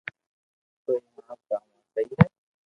تو ھي ھڻاو ڪاو آ سھي ھي